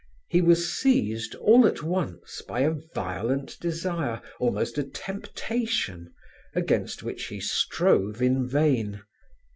He was seized all at once by a violent desire, almost a temptation, against which he strove in vain.